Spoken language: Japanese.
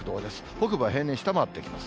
北部は平年を下回ってきます。